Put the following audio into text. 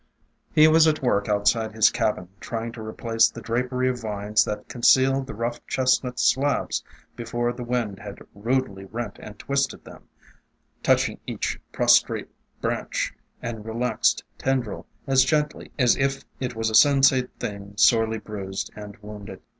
He was at work outside his cabin, trying to replace the drapery of vines that concealed the rough chestnut slabs before the wind had rudely rent and twisted them; touching each prostrate branch and relaxed tendril as gently as if it was a sensate thing sorely bruised and wounded.